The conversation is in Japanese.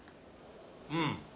うん。